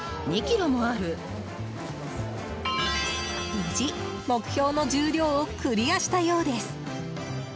無事、目標の重量をクリアしたようです。